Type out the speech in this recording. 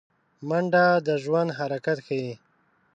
منډه د ژوند حرکت ښيي